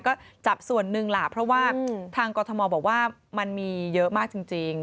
ก็จับส่วนหนึ่งล่ะเพราะว่าทางกรทมบอกว่ามันมีเยอะมากจริง